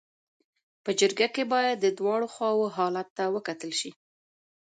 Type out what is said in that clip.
په جرګه کي باید د دواړو خواو حالت ته وکتل سي.